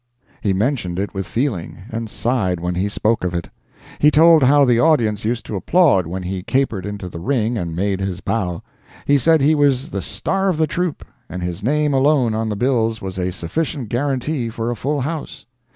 He mentioned it with feeling, and sighed when he spoke of it. He told how the audience used to applaud when he capered into the ring and made his bow; he said he was the "star" of the troupe, and his name alone on the bills was a sufficient guarantee for a full house.